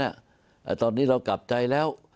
แต่ตอนนี้เรากลับใจแล้ว